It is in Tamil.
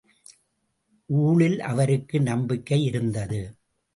ஊழில் அவருக்கு நம்பிக்கை இருந்தது.